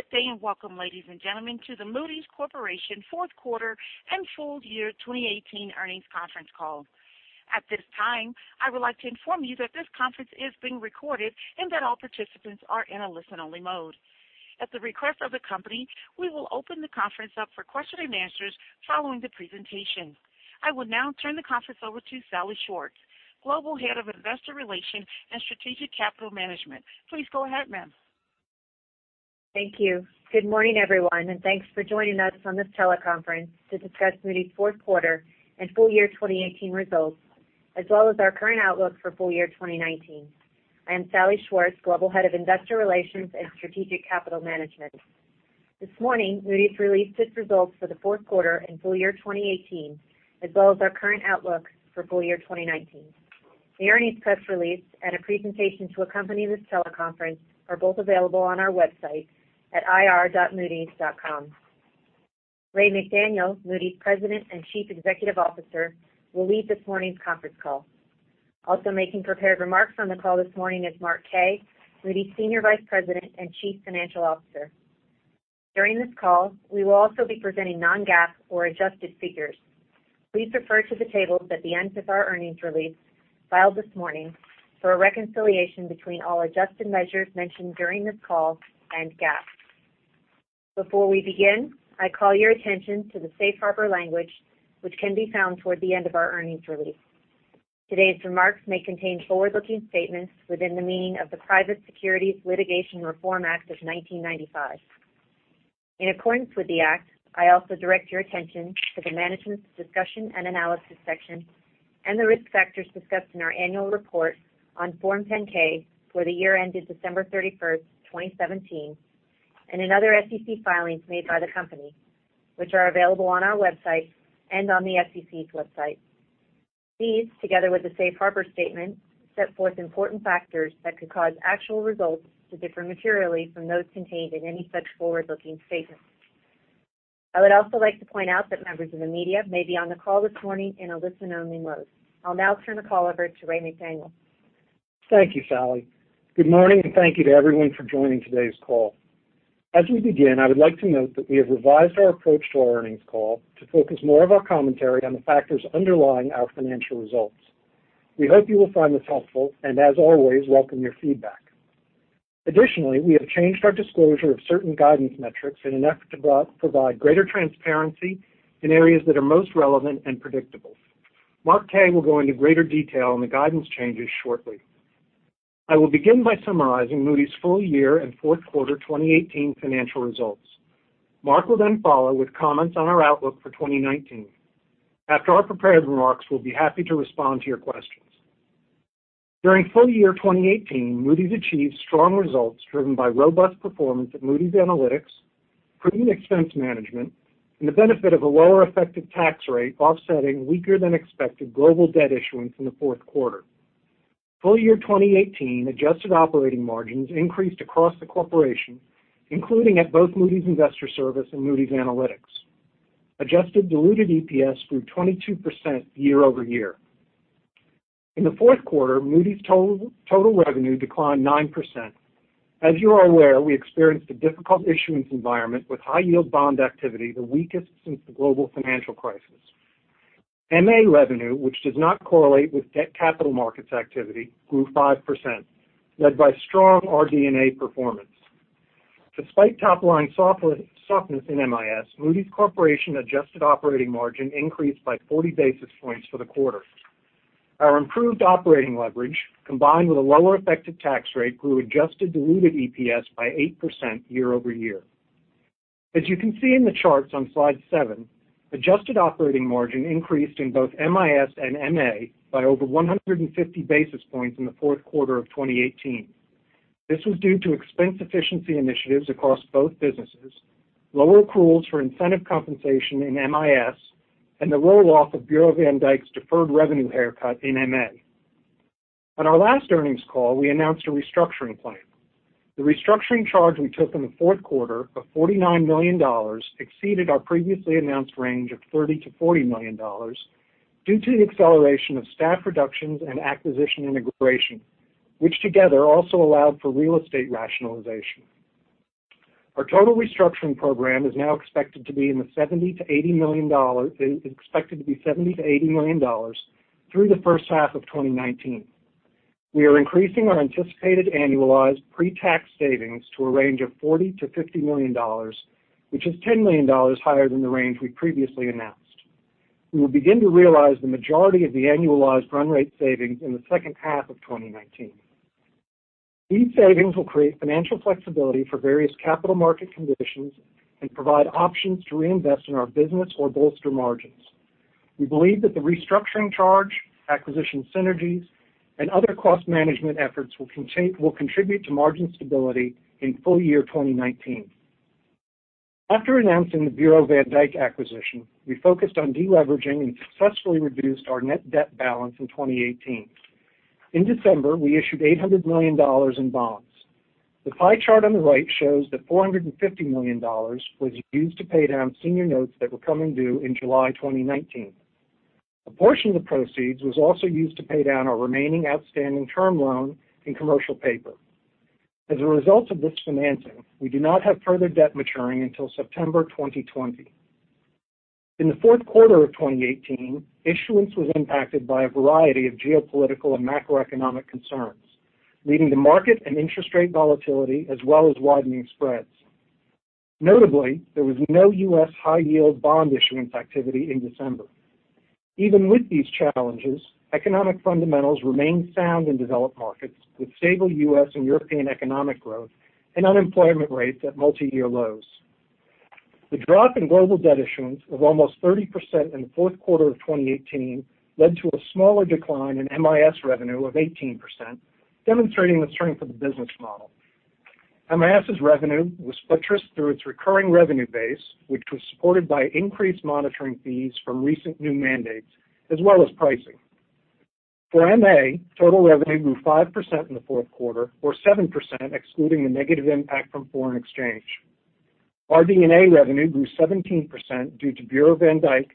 Good day and welcome, ladies and gentlemen, to the Moody's Corporation fourth quarter and full year 2018 earnings conference call. At this time, I would like to inform you that this conference is being recorded and that all participants are in a listen-only mode. At the request of the company, we will open the conference up for question and answers following the presentation. I will now turn the conference over to Salli Schwartz, Global Head of Investor Relations and Strategic Capital Management. Please go ahead, ma'am. Thank you. Good morning, everyone, and thanks for joining us on this teleconference to discuss Moody's fourth quarter and full year 2018 results, as well as our current outlook for full year 2019. I am Salli Schwartz, Global Head of Investor Relations and Strategic Capital Management. This morning, Moody's released its results for the fourth quarter and full year 2018, as well as our current outlook for full year 2019. The earnings press release and a presentation to accompany this teleconference are both available on our website at ir.moodys.com. Raymond McDaniel, Moody's President and Chief Executive Officer, will lead this morning's conference call. Also making prepared remarks on the call this morning is Mark Kaye, Moody's Senior Vice President and Chief Financial Officer. During this call, we will also be presenting non-GAAP or adjusted figures. Please refer to the tables at the end of our earnings release filed this morning for a reconciliation between all adjusted measures mentioned during this call and GAAP. Before we begin, I call your attention to the safe harbor language, which can be found toward the end of our earnings release. Today's remarks may contain forward-looking statements within the meaning of the Private Securities Litigation Reform Act of 1995. In accordance with the Act, I also direct your attention to the Management's Discussion and Analysis section and the risk factors discussed in our annual report on Form 10-K for the year ended December 31st, 2017, and in other SEC filings made by the company, which are available on our website and on the SEC's website. These, together with the safe harbor statement, set forth important factors that could cause actual results to differ materially from those contained in any such forward-looking statements. I would also like to point out that members of the media may be on the call this morning in a listen-only mode. I'll now turn the call over to Raymond McDaniel. Thank you, Salli. Good morning, and thank you to everyone for joining today's call. As we begin, I would like to note that we have revised our approach to our earnings call to focus more of our commentary on the factors underlying our financial results. We hope you will find this helpful, and as always, welcome your feedback. Additionally, we have changed our disclosure of certain guidance metrics in an effort to provide greater transparency in areas that are most relevant and predictable. Mark Kaye will go into greater detail on the guidance changes shortly. I will begin by summarizing Moody's full year and fourth quarter 2018 financial results. Mark will then follow with comments on our outlook for 2019. After our prepared remarks, we'll be happy to respond to your questions. During full year 2018, Moody's achieved strong results driven by robust performance at Moody's Analytics, prudent expense management, and the benefit of a lower effective tax rate offsetting weaker-than-expected global debt issuance in the fourth quarter. Full year 2018 adjusted operating margins increased across the corporation, including at both Moody's Investors Service and Moody's Analytics. Adjusted diluted EPS grew 22% year-over-year. In the fourth quarter, Moody's total revenue declined 9%. As you are aware, we experienced a difficult issuance environment with high-yield bond activity, the weakest since the global financial crisis. MA revenue, which does not correlate with debt capital markets activity, grew 5%, led by strong RD&A performance. Despite top-line softness in MIS, Moody's Corporation adjusted operating margin increased by 40 basis points for the quarter. Our improved operating leverage, combined with a lower effective tax rate, grew adjusted diluted EPS by 8% year-over-year. As you can see in the charts on slide seven, adjusted operating margin increased in both MIS and MA by over 150 basis points in the fourth quarter of 2018. This was due to expense efficiency initiatives across both businesses, lower accruals for incentive compensation in MIS, and the roll-off of Bureau van Dijk's deferred revenue haircut in MA. On our last earnings call, we announced a restructuring plan. The restructuring charge we took in the fourth quarter of $49 million exceeded our previously announced range of $30 million-$40 million due to the acceleration of staff reductions and acquisition integration, which together also allowed for real estate rationalization. Our total restructuring program is now expected to be $70 million-$80 million through the first half of 2019. We are increasing our anticipated annualized pre-tax savings to a range of $40 million-$50 million, which is $10 million higher than the range we previously announced. We will begin to realize the majority of the annualized run rate savings in the second half of 2019. These savings will create financial flexibility for various capital market conditions and provide options to reinvest in our business or bolster margins. We believe that the restructuring charge, acquisition synergies, and other cost management efforts will contribute to margin stability in full year 2019. After announcing the Bureau van Dijk acquisition, we focused on de-leveraging and successfully reduced our net debt balance in 2018. In December, we issued $800 million in bonds. The pie chart on the right shows that $450 million was used to pay down senior notes that were coming due in July 2019. A portion of the proceeds was also used to pay down our remaining outstanding term loan in commercial paper. As a result of this financing, we do not have further debt maturing until September 2020. In the fourth quarter of 2018, issuance was impacted by a variety of geopolitical and macroeconomic concerns, leading to market and interest rate volatility as well as widening spreads. Notably, there was no U.S. high-yield bond issuance activity in December. Even with these challenges, economic fundamentals remained sound in developed markets, with stable U.S. and European economic growth and unemployment rates at multi-year lows. The drop in global debt issuance of almost 30% in the fourth quarter of 2018 led to a smaller decline in MIS revenue of 18%, demonstrating the strength of the business model. MIS's revenue was buttressed through its recurring revenue base, which was supported by increased monitoring fees from recent new mandates as well as pricing. For MA, total revenue grew 5% in the fourth quarter or 7% excluding the negative impact from foreign exchange. RD&A revenue grew 17% due to Bureau van Dijk,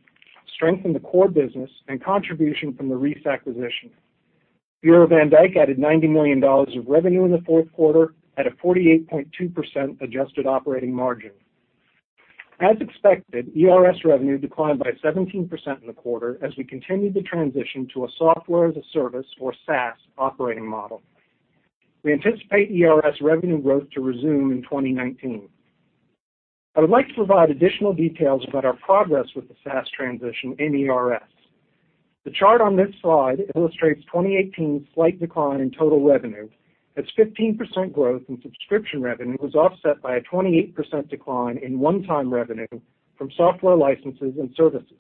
strength in the core business, and contribution from the Reis acquisition. Bureau van Dijk added $90 million of revenue in the fourth quarter at a 48.2% adjusted operating margin. As expected, ERS revenue declined by 17% in the quarter as we continued to transition to a Software as a Service, or SaaS, operating model. We anticipate ERS revenue growth to resume in 2019. I would like to provide additional details about our progress with the SaaS transition in ERS. The chart on this slide illustrates 2018's slight decline in total revenue, as 15% growth in subscription revenue was offset by a 28% decline in one-time revenue from software licenses and services.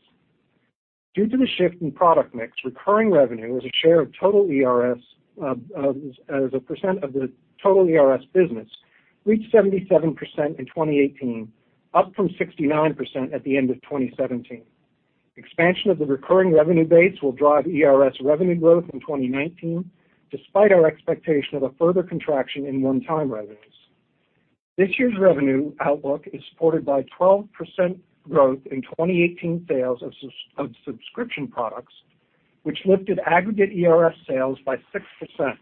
Due to the shift in product mix, recurring revenue as a share of total ERS as a % of the total ERS business reached 77% in 2018, up from 69% at the end of 2017. Expansion of the recurring revenue base will drive ERS revenue growth in 2019, despite our expectation of a further contraction in one-time revenues. This year's revenue outlook is supported by 12% growth in 2018 sales of subscription products, which lifted aggregate ERS sales by 6%,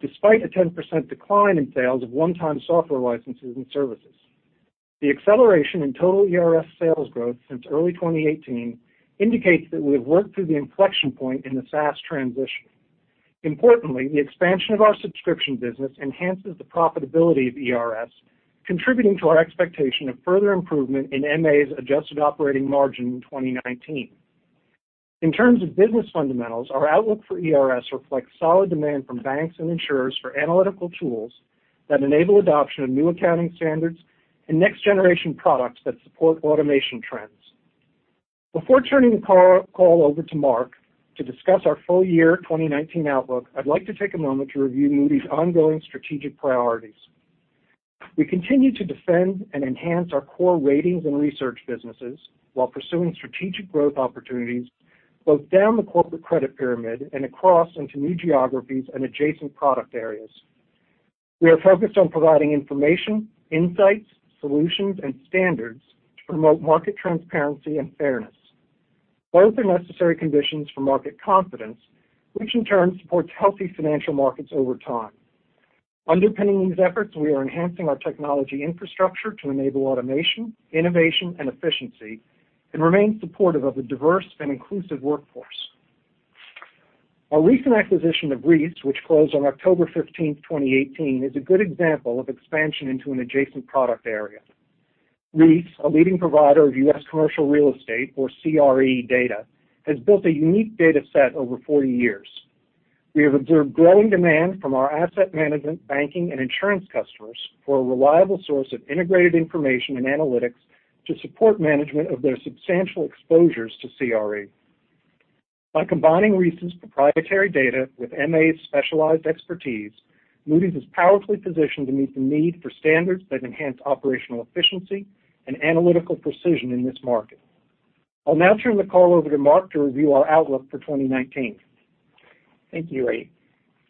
despite a 10% decline in sales of one-time software licenses and services. The acceleration in total ERS sales growth since early 2018 indicates that we have worked through the inflection point in the SaaS transition. Importantly, the expansion of our subscription business enhances the profitability of ERS, contributing to our expectation of further improvement in MA's adjusted operating margin in 2019. In terms of business fundamentals, our outlook for ERS reflects solid demand from banks and insurers for analytical tools that enable adoption of new accounting standards and next-generation products that support automation trends. Before turning the call over to Mark to discuss our full year 2019 outlook, I'd like to take a moment to review Moody's ongoing strategic priorities. We continue to defend and enhance our core ratings and research businesses while pursuing strategic growth opportunities both down the corporate credit pyramid and across into new geographies and adjacent product areas. We are focused on providing information, insights, solutions, and standards to promote market transparency and fairness. Both are necessary conditions for market confidence, which in turn supports healthy financial markets over time. Underpinning these efforts, we are enhancing our technology infrastructure to enable automation, innovation, and efficiency and remain supportive of a diverse and inclusive workforce. Our recent acquisition of Reis, which closed on October 15th, 2018, is a good example of expansion into an adjacent product area. Reis, a leading provider of U.S. commercial real estate, or CRE data, has built a unique data set over 40 years. We have observed growing demand from our asset management, banking, and insurance customers for a reliable source of integrated information and analytics to support management of their substantial exposures to CRE. By combining Reis' proprietary data with MA's specialized expertise, Moody's is powerfully positioned to meet the need for standards that enhance operational efficiency and analytical precision in this market. I'll now turn the call over to Mark to review our outlook for 2019. Thank you, Ray.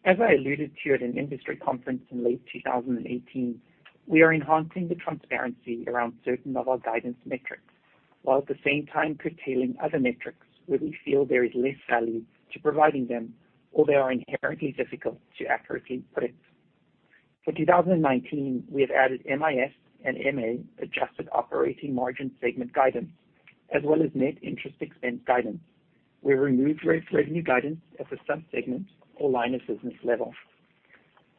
As I alluded to at an industry conference in late 2018, we are enhancing the transparency around certain of our guidance metrics, while at the same time curtailing other metrics where we feel there is less value to providing them, or they are inherently difficult to accurately predict. For 2019, we have added MIS and MA adjusted operating margin segment guidance, as well as net interest expense guidance. We have removed revenue guidance at the sub-segment or line of business level.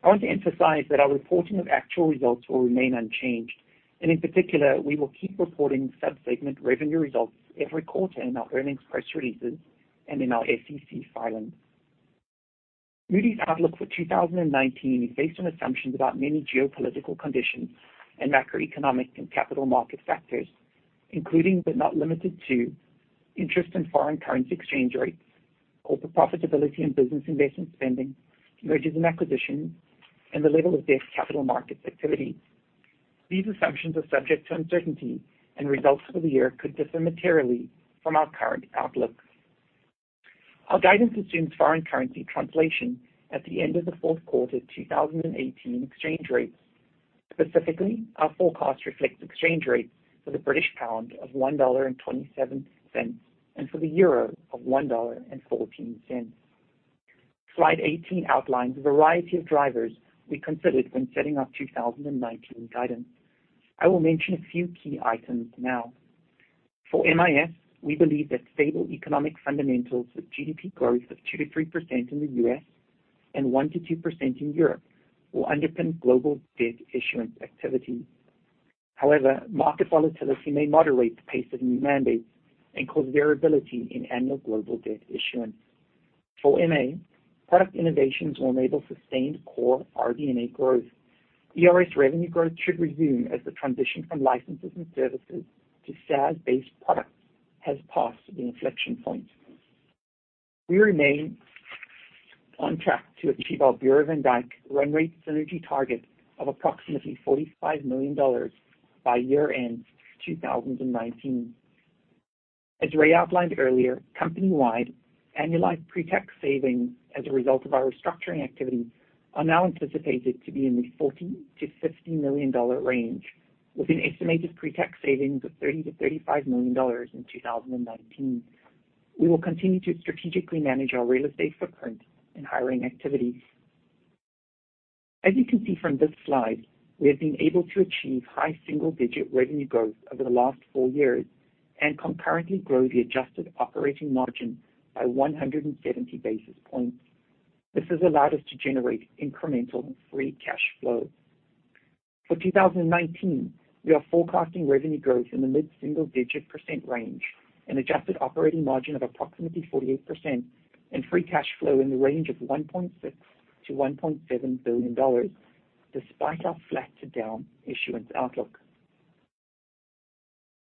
I want to emphasize that our reporting of actual results will remain unchanged, and in particular, we will keep reporting sub-segment revenue results every quarter in our earnings press releases and in our SEC filings. Moody's outlook for 2019 is based on assumptions about many geopolitical conditions and macroeconomic and capital market factors, including, but not limited to interest and foreign currency exchange rates, corporate profitability and business investment spending, mergers and acquisitions, and the level of debt capital market activity. These assumptions are subject to uncertainty, and results for the year could differ materially from our current outlooks. Our guidance assumes foreign currency translation at the end of the fourth quarter 2018 exchange rates. Specifically, our forecast reflects exchange rates for the British pound of $1.27 and for the euro of $1.14. Slide 18 outlines a variety of drivers we considered when setting our 2019 guidance. I will mention a few key items now. For MIS, we believe that stable economic fundamentals with GDP growth of 2%-3% in the U.S. and 1%-2% in Europe will underpin global debt issuance activity. However, market volatility may moderate the pace of new mandates and cause variability in annual global debt issuance. For MA, product innovations will enable sustained core RD&A growth. ERS revenue growth should resume as the transition from licenses and services to SaaS-based products has passed the inflection point. We remain on track to achieve our Bureau van Dijk run rate synergy target of approximately $45 million by year-end 2019. As Ray outlined earlier, company-wide annualized pre-tax savings as a result of our restructuring activities are now anticipated to be in the $40 million-$50 million range with an estimated pre-tax savings of $30 million-$35 million in 2019. We will continue to strategically manage our real estate footprint and hiring activities. As you can see from this slide, we have been able to achieve high single-digit revenue growth over the last four years and concurrently grow the adjusted operating margin by 170 basis points. This has allowed us to generate incremental free cash flow. For 2019, we are forecasting revenue growth in the mid-single-digit percent range, an adjusted operating margin of approximately 48%, and free cash flow in the range of $1.6 billion-$1.7 billion, despite our flat-to-down issuance outlook.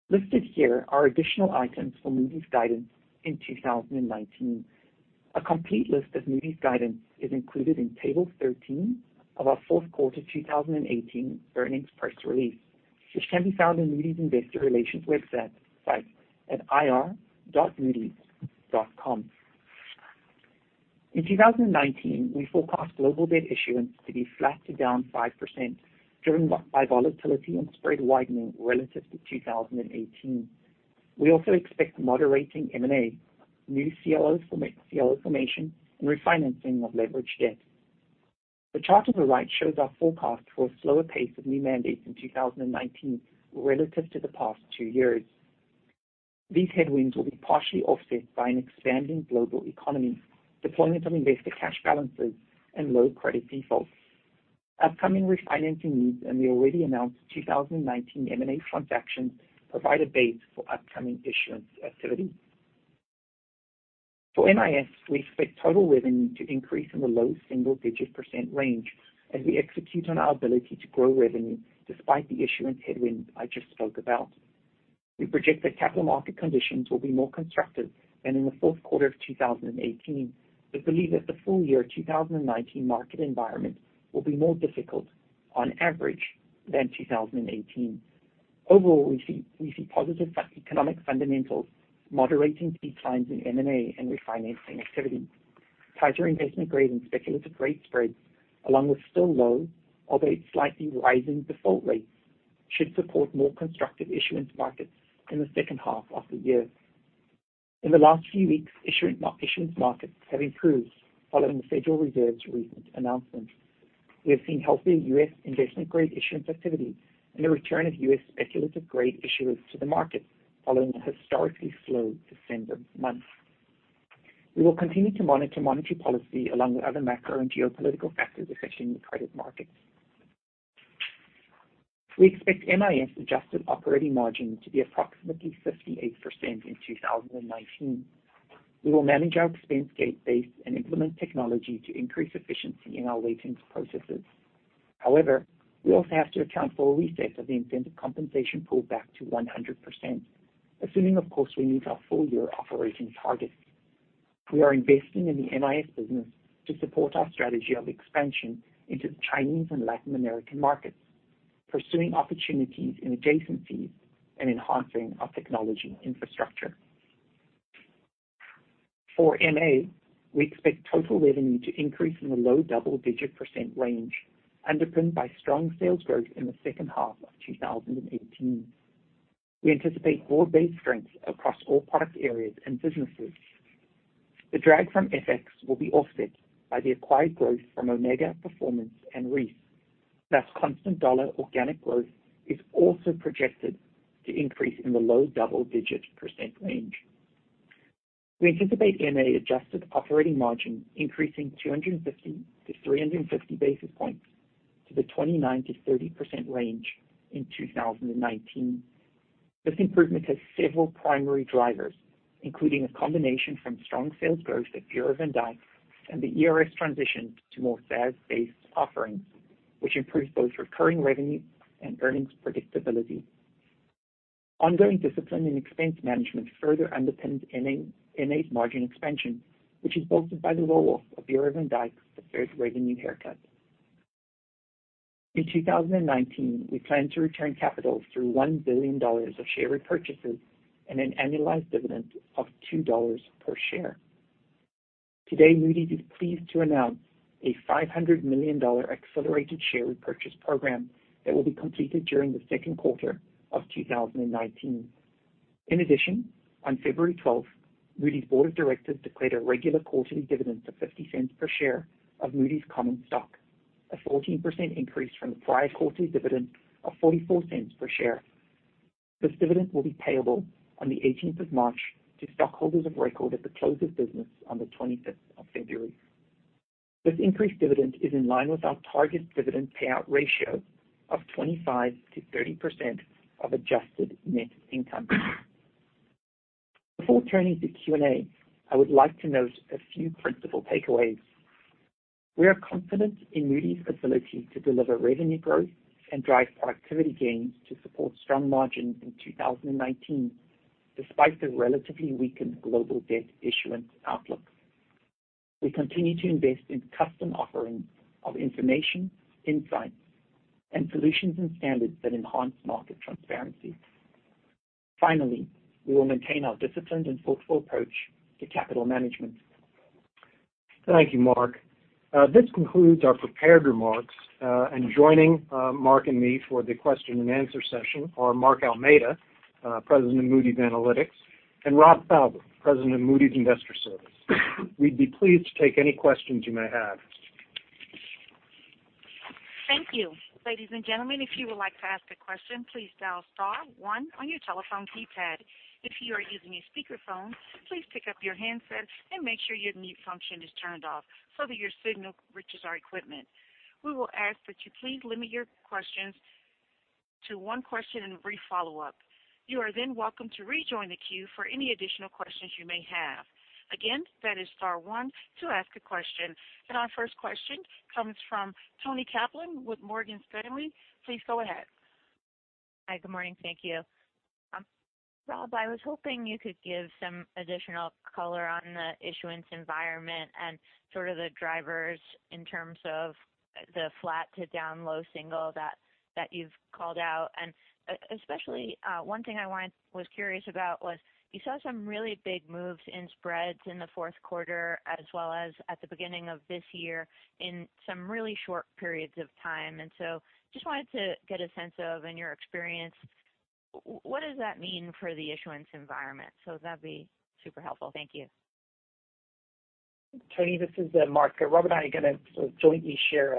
Listed here are additional items for Moody’s guidance in 2019. A complete list of Moody’s guidance is included in Table 13 of our fourth quarter 2018 earnings press release, which can be found on Moody’s Investor Relations website at ir.moodys.com. In 2019, we forecast global debt issuance to be flat to down 5%, driven by volatility and spread widening relative to 2018. We also expect moderating M&A, new CLO formation, and refinancing of leveraged debt. The chart on the right shows our forecast for a slower pace of new mandates in 2019 relative to the past two years. These headwinds will be partially offset by an expanding global economy, deployment of investor cash balances, and low credit defaults. Upcoming refinancing needs and the already announced 2019 M&A transactions provide a base for upcoming issuance activity. For MIS, we expect total revenue to increase in the low double-digit percent range as we execute on our ability to grow revenue despite the issuance headwinds I just spoke about. We project that capital market conditions will be more constructive than in the fourth quarter of 2018 but believe that the full-year 2019 market environment will be more difficult on average than 2018. Overall, we see positive economic fundamentals moderating declines in M&A and refinancing activity. Tighter investment-grade and speculative-grade spreads, along with still low, albeit slightly rising default rates, should support more constructive issuance markets in the second half of the year. In the last few weeks, issuance markets have improved following the Federal Reserve’s recent announcement. We have seen healthy U.S. investment-grade issuance activity and the return of U.S. speculative-grade issuers to the market following a historically slow December month. We will continue to monitor monetary policy along with other macro and geopolitical factors affecting the credit markets. We expect MIS adjusted operating margin to be approximately 58% in 2019. We will manage our expense base and implement technology to increase efficiency in our ratings processes. However, we also have to account for a reset of the incentive compensation pool back to 100%, assuming, of course, we meet our full-year operating targets. We are investing in the MIS business to support our strategy of expansion into the Chinese and Latin American markets, pursuing opportunities in adjacencies, and enhancing our technology infrastructure. For MA, we expect total revenue to increase in the low double-digit % range, underpinned by strong sales growth in the second half of 2018. We anticipate broad-based strength across all product areas and businesses. The drag from FX will be offset by the acquired growth from Omega Performance and Reis. Thus, constant dollar organic growth is also projected to increase in the low double-digit % range. We anticipate MA adjusted operating margin increasing 250 to 350 basis points to the 29%-30% range in 2019. This improvement has several primary drivers, including a combination from strong sales growth at Bureau van Dijk and the ERS transition to more SaaS-based offerings, which improves both recurring revenue and earnings predictability. Ongoing discipline in expense management further underpins MA's margin expansion, which is bolstered by the roll-off of Bureau van Dijk deferred revenue haircut. In 2019, we plan to return capital through $1 billion of share repurchases and an annualized dividend of $2 per share. Today, Moody's is pleased to announce a $500 million accelerated share repurchase program that will be completed during the second quarter of 2019. In addition, on February 12th, Moody's board of directors declared a regular quarterly dividend of $0.50 per share of Moody's common stock, a 14% increase from the prior quarterly dividend of $0.44 per share. This dividend will be payable on the 18th of March to stockholders of record at the close of business on the 25th of February. This increased dividend is in line with our target dividend payout ratio of 25%-30% of adjusted net income. Before turning to Q&A, I would like to note a few principal takeaways. We are confident in Moody's ability to deliver revenue growth and drive productivity gains to support strong margins in 2019, despite the relatively weakened global debt issuance outlook. We continue to invest in custom offerings of information, insights, and solutions and standards that enhance market transparency. Finally, we will maintain our disciplined and thoughtful approach to capital management. Thank you, Mark. This concludes our prepared remarks. Joining Mark and me for the question and answer session are Mark Almeida, President of Moody's Analytics, and Rob Fauber, President of Moody's Investors Service. We'd be pleased to take any questions you may have. Thank you. Ladies and gentlemen, if you would like to ask a question, please dial star one on your telephone keypad. If you are using a speakerphone, please pick up your handset and make sure your mute function is turned off so that your signal reaches our equipment. We will ask that you please limit your questions to one question and a brief follow-up. You are then welcome to rejoin the queue for any additional questions you may have. Again, that is star one to ask a question. Our first question comes from Toni Kaplan with Morgan Stanley. Please go ahead. Hi. Good morning. Thank you. Rob, I was hoping you could give some additional color on the issuance environment and sort of the drivers in terms of the flat to down low single that you've called out. Especially, one thing I was curious about was you saw some really big moves in spreads in the fourth quarter, as well as at the beginning of this year in some really short periods of time. Just wanted to get a sense of, in your experience, what does that mean for the issuance environment? That'd be super helpful. Thank you. Toni, this is Mark. Rob and I are going to jointly share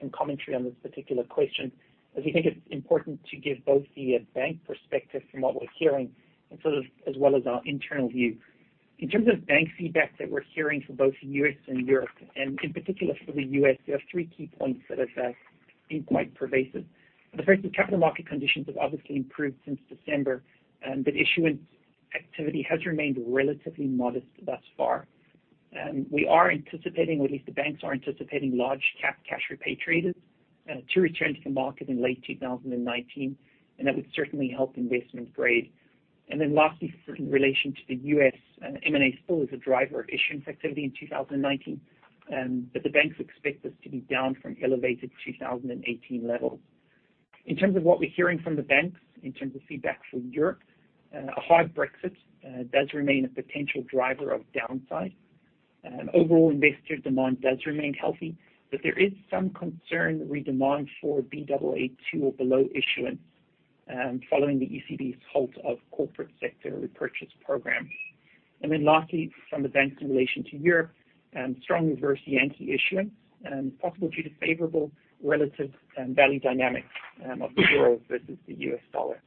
some commentary on this particular question, as we think it's important to give both the bank perspective from what we're hearing and sort of as well as our internal view. In terms of bank feedback that we're hearing from both the U.S. and Europe, in particular for the U.S., there are three key points that have been quite pervasive. The first is capital market conditions have obviously improved since December, but issuance activity has remained relatively modest thus far. We are anticipating, or at least the banks are anticipating large cap cash repatriated to return to the market in late 2019, that would certainly help investment grade. Lastly, in relation to the U.S., M&A still is a driver of issuance activity in 2019, but the banks expect this to be down from elevated 2018 levels. In terms of what we're hearing from the banks, in terms of feedback from Europe, a hard Brexit does remain a potential driver of downside. Overall investor demand does remain healthy, but there is some concern re-demand for Baa2 or below issuance following the ECB's halt of corporate sector repurchase programs. Lastly, from the banks in relation to Europe, strong reverse Yankee issuance, possibly due to favorable relative value dynamics of the euro versus the U.S. dollar.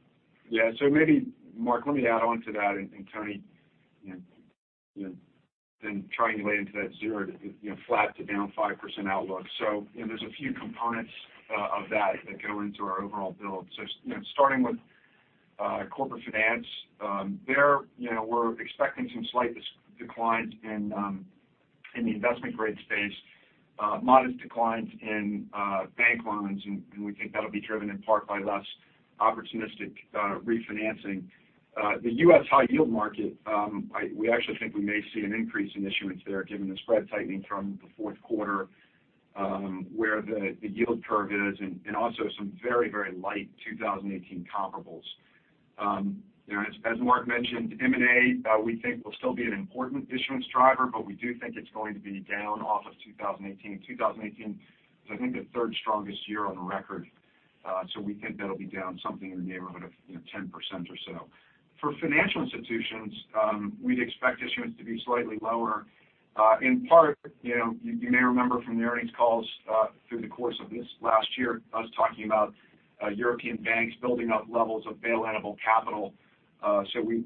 Yeah. Maybe, Mark, let me add on to that, and Toni then triangulate into that zero to flat to down 5% outlook. There's a few components of that that go into our overall build. Starting with corporate finance, there we're expecting some slight declines in the investment-grade space, modest declines in bank loans, and we think that'll be driven in part by less opportunistic refinancing. The U.S. high yield market we actually think we may see an increase in issuance there given the spread tightening from the fourth quarter where the yield curve is and also some very light 2018 comparables. As Mark mentioned, M&A we think will still be an important issuance driver, but we do think it's going to be down off of 2018. 2018 was, I think, the third strongest year on record. We think that'll be down something in the neighborhood of 10% or so. For financial institutions, we'd expect issuance to be slightly lower. In part, you may remember from the earnings calls through the course of this last year, I was talking about European banks building up levels of bail-inable capital.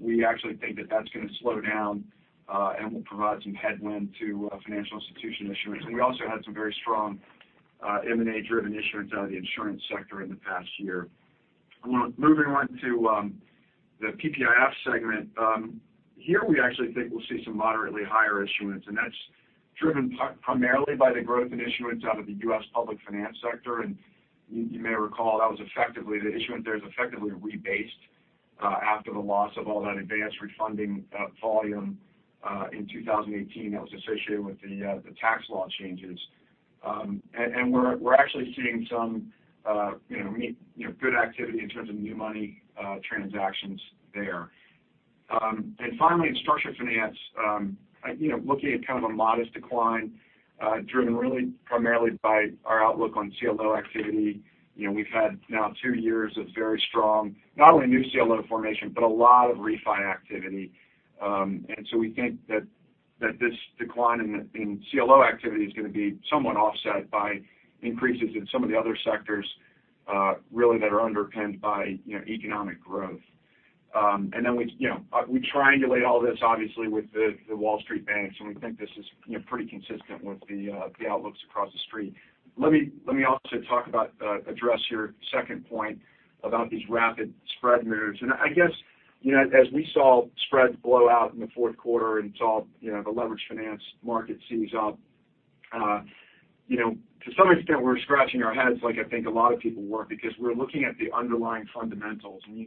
We actually think that that's going to slow down and will provide some headwind to financial institution issuance. We also had some very strong M&A-driven issuance out of the insurance sector in the past year. Moving on to the PPIF segment. Here we actually think we'll see some moderately higher issuance, and that's driven primarily by the growth in issuance out of the U.S. public finance sector. You may recall that was effectively the issuance there is effectively rebased after the loss of all that advanced refunding volume in 2018 that was associated with the tax law changes. We're actually seeing some good activity in terms of new money transactions there. Finally, in structured finance looking at kind of a modest decline driven really primarily by our outlook on CLO activity. We've had now two years of very strong, not only new CLO formation, but a lot of refi activity. We think that this decline in CLO activity is going to be somewhat offset by increases in some of the other sectors really that are underpinned by economic growth. We triangulate all this obviously with the Wall Street banks, and we think this is pretty consistent with the outlooks across the street. Let me also talk about, address your second point about these rapid spread moves. I guess as we saw spreads blow out in the fourth quarter and saw the leveraged finance market seize up, to some extent we're scratching our heads, like I think a lot of people were, because we're looking at the underlying fundamentals, you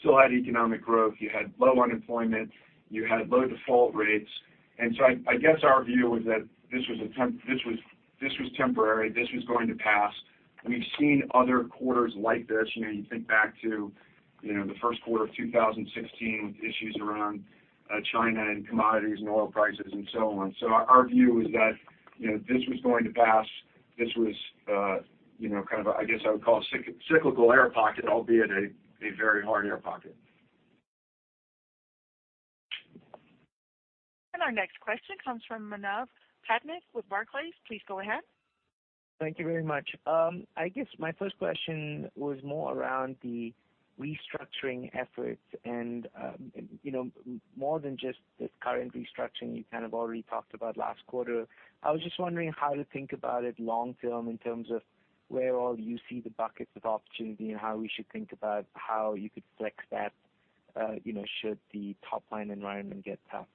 still had economic growth, you had low unemployment, you had low default rates. I guess our view was that this was temporary. This was going to pass. We've seen other quarters like this. You think back to the first quarter of 2016 with issues around China and commodities and oil prices and so on. Our view is that this was going to pass. This was kind of, I guess I would call a cyclical air pocket, albeit a very hard air pocket. Our next question comes from Manav Patnaik with Barclays. Please go ahead. Thank you very much. I guess my first question was more around the restructuring efforts and more than just the current restructuring you kind of already talked about last quarter. I was just wondering how to think about it long term in terms of where all you see the buckets of opportunity and how we should think about how you could flex that should the top-line environment get tough.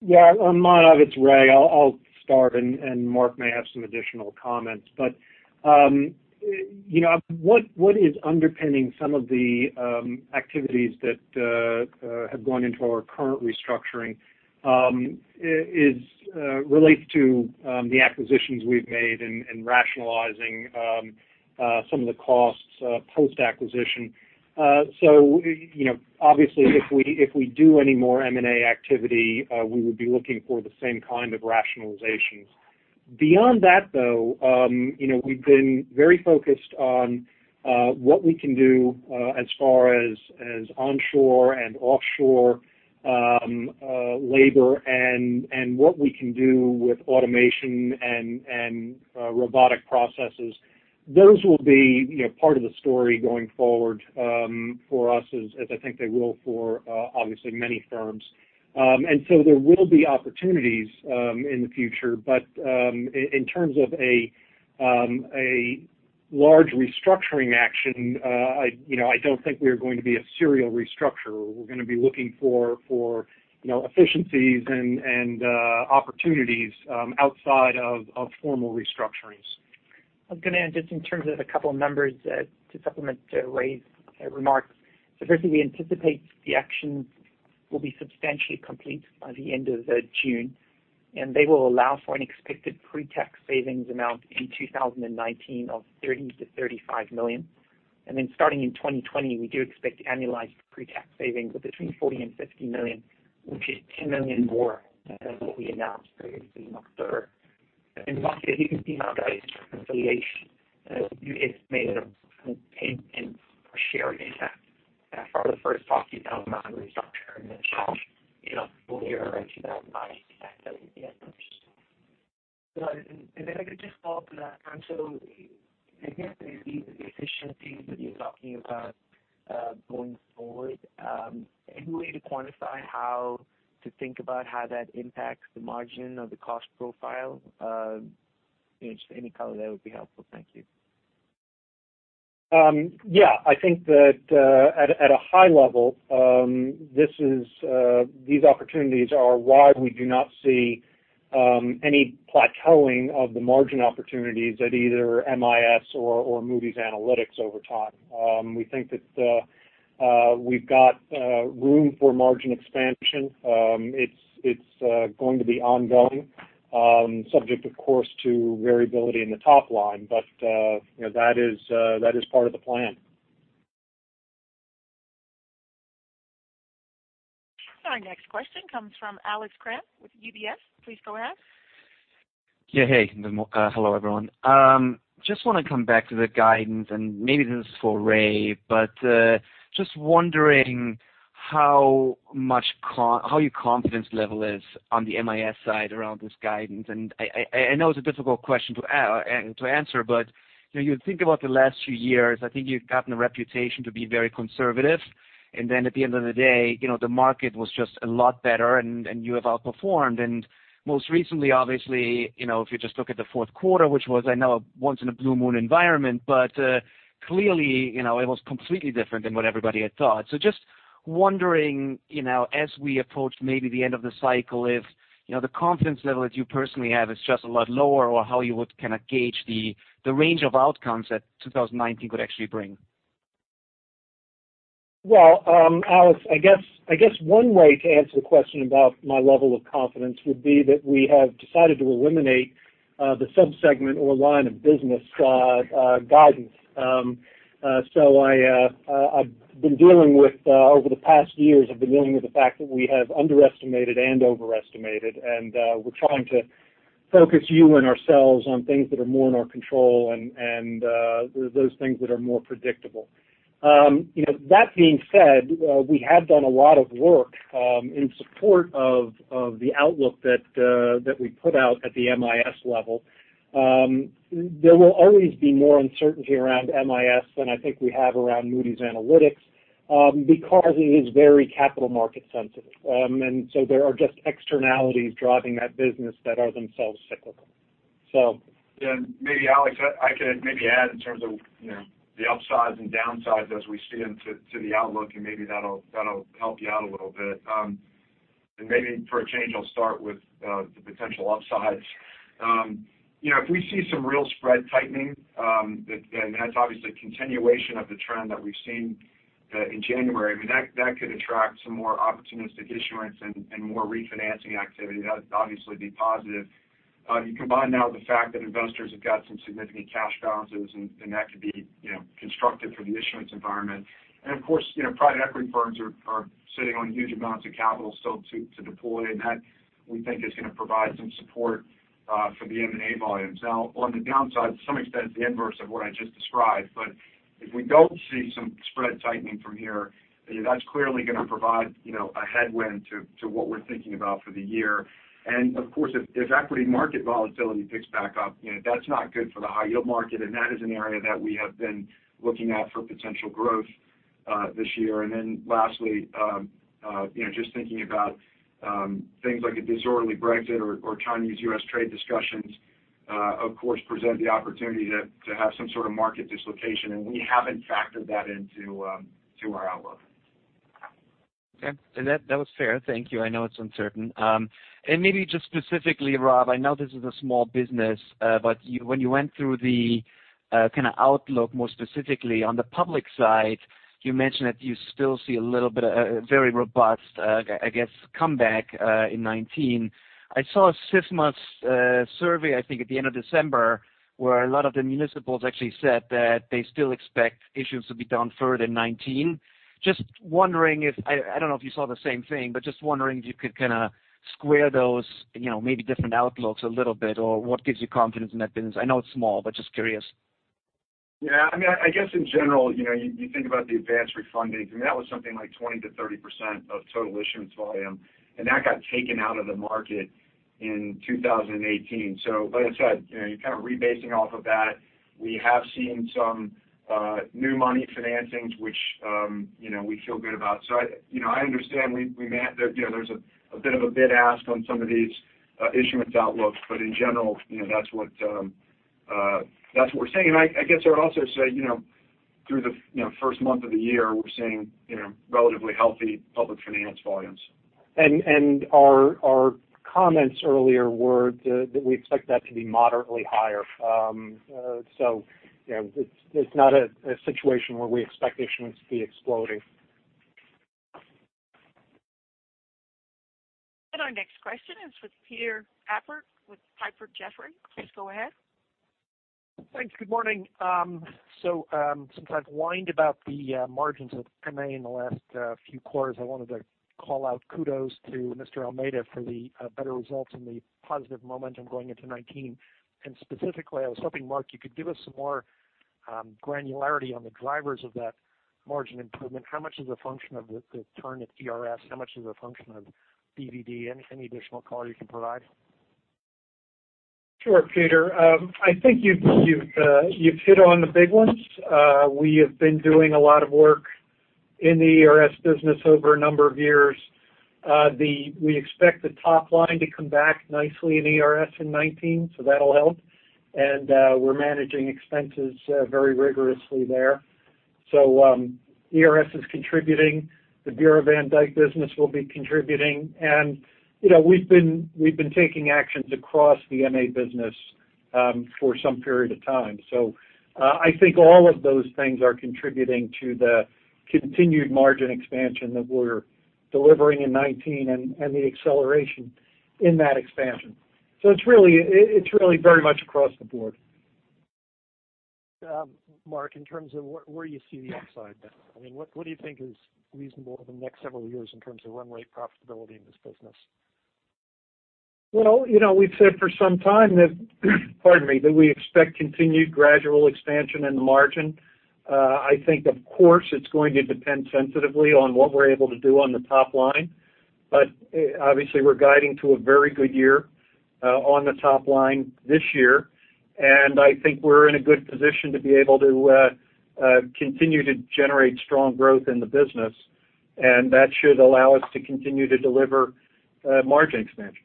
Yeah. Manav, it's Ray. I'll start, Mark may have some additional comments. What is underpinning some of the activities that have gone into our current restructuring relates to the acquisitions we've made and rationalizing some of the costs post-acquisition. Obviously if we do any more M&A activity we would be looking for the same kind of rationalizations. Beyond that, though we've been very focused on what we can do as far as onshore and offshore labor and what we can do with automation and robotic processes. Those will be part of the story going forward for us as I think they will for obviously many firms. There will be opportunities in the future. In terms of a large restructuring action I don't think we are going to be a serial restructurer. We're going to be looking for efficiencies and opportunities outside of formal restructurings. I was going to add just in terms of a couple of numbers to supplement Ray's remarks. First, we anticipate the actions will be substantially complete by the end of June, and they will allow for an expected pre-tax savings amount in 2019 of $30 million-$35 million. Starting in 2020, we do expect annualized pre-tax savings of between $40 million and $50 million, which is $10 million more than what we announced previously in October. [Inuadible] I could just follow up on that. I guess these efficiencies that you're talking about going forward, any way to quantify how to think about how that impacts the margin or the cost profile? Just any color there would be helpful. Thank you. Yeah. I think that at a high level these opportunities are why we do not see any plateauing of the margin opportunities at either MIS or Moody's Analytics over time. We think that we've got room for margin expansion. It's going to be ongoing subject, of course, to variability in the top line. That is part of the plan. Our next question comes from Alex Kramm with UBS. Please go ahead. Yeah. Hey. Hello, everyone. Just want to come back to the guidance, maybe this is for Ray. Just wondering how your confidence level is on the MIS side around this guidance. I know it's a difficult question to answer, but you think about the last few years, I think you've gotten a reputation to be very conservative. At the end of the day the market was just a lot better and you have outperformed. Most recently, obviously, if you just look at the fourth quarter, which was I know a once in a blue moon environment. Clearly it was completely different than what everybody had thought. Just wondering as we approach maybe the end of the cycle if the confidence level that you personally have is just a lot lower or how you would kind of gauge the range of outcomes that 2019 could actually bring. Well, Alex, I guess one way to answer the question about my level of confidence would be that we have decided to eliminate the sub-segment or line of business guidance. I've been dealing with, over the past years, I've been dealing with the fact that we have underestimated and overestimated, and we're trying to focus you and ourselves on things that are more in our control and those things that are more predictable. That being said, we have done a lot of work in support of the outlook that we put out at the MIS level. There will always be more uncertainty around MIS than I think we have around Moody's Analytics because it is very capital market sensitive. There are just externalities driving that business that are themselves cyclical. Yeah. Maybe Alex, I could maybe add in terms of the upsides and downsides as we see them to the outlook, and maybe that'll help you out a little bit. Maybe for a change, I'll start with the potential upsides. If we see some real spread tightening, and that's obviously a continuation of the trend that we've seen in January, that could attract some more opportunistic issuance and more refinancing activity. That would obviously be positive. You combine now the fact that investors have got some significant cash balances, and that could be constructive for the issuance environment. Of course, private equity firms are sitting on huge amounts of capital still to deploy, and that we think is going to provide some support for the M&A volumes. Now, on the downside, to some extent, it's the inverse of what I just described. If we don't see some spread tightening from here, that's clearly going to provide a headwind to what we're thinking about for the year. Of course, if equity market volatility picks back up, that's not good for the high yield market, and that is an area that we have been looking at for potential growth this year. Lastly, just thinking about things like a disorderly Brexit or Chinese U.S. trade discussions, of course, present the opportunity to have some sort of market dislocation. We haven't factored that into our outlook. Okay. That was fair. Thank you. I know it's uncertain. Maybe just specifically, Rob, I know this is a small business, when you went through the kind of outlook more specifically on the public side, you mentioned that you still see a little bit of a very robust, I guess, comeback in 2019. I saw SIFMA's survey, I think at the end of December, where a lot of the municipals actually said that they still expect issuance to be down further in 2019. I don't know if you saw the same thing, just wondering if you could kind of square those maybe different outlooks a little bit, or what gives you confidence in that business? I know it's small, but just curious. I guess in general, you think about the advanced refundings, that was something like 20%-30% of total issuance volume, that got taken out of the market in 2018. Like I said, you're kind of rebasing off of that. We have seen some new money financings, which we feel good about. I understand there's a bit of a bid ask on some of these issuance outlooks, in general, that's what we're seeing. I guess I would also say through the first month of the year, we're seeing relatively healthy public finance volumes. Our comments earlier were that we expect that to be moderately higher. It's not a situation where we expect issuance to be exploding. Our next question is with Peter Appert with Piper Jaffray. Please go ahead. Thanks. Good morning. Since I've whined about the margins of MA in the last few quarters, I wanted to call out kudos to Mr. Almeida for the better results and the positive momentum going into 2019. Specifically, I was hoping, Mark, you could give us some more granularity on the drivers of that margin improvement. How much is a function of the turn at ERS? How much is a function of BvD? Any additional color you can provide? Sure, Peter. I think you've hit on the big ones. We have been doing a lot of work in the ERS business over a number of years. We expect the top line to come back nicely in ERS in 2019, so that'll help. We're managing expenses very rigorously there. ERS is contributing. The Bureau van Dijk business will be contributing. We've been taking actions across the MA business for some period of time. I think all of those things are contributing to the continued margin expansion that we're delivering in 2019 and the acceleration in that expansion. It's really very much across the board. Mark, in terms of where you see the upside then, what do you think is reasonable over the next several years in terms of run rate profitability in this business? Well, we've said for some time that we expect continued gradual expansion in the margin. I think, of course, it's going to depend sensitively on what we're able to do on the top line. Obviously we're guiding to a very good year on the top line this year, I think we're in a good position to be able to continue to generate strong growth in the business, that should allow us to continue to deliver margin expansion.